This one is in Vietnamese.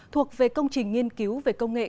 thuộc về công trình nghiên cứu về công nghệ